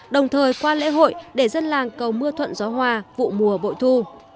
đồng thời qua lễ hội để dân làng cầu mưa thuận gió hòa vụ mùa bội thu